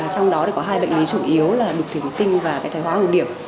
trong đó có hai bệnh lý chủ yếu là bực thỉnh tinh và thải hóa hồng điểm